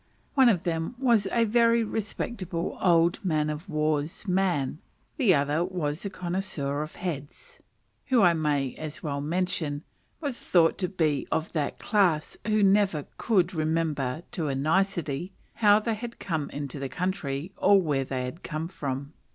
One of them was a very respectable old man of war's man, the other was the connoisseur of heads; who, I may as well mention, was thought to be one of that class who never could remember to a nicety how they had come into the country, or where they came from.